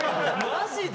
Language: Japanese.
マジで？